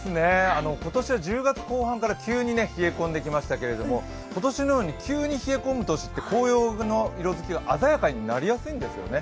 今年は１０月後半から急に冷え込んできましたけど今年のように急に冷え込む年って紅葉の色づきが鮮やかになりやすいんですね。